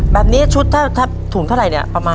แบบนี้ชุดถ้าถุงเท่าไหร่เนี่ยประมาณ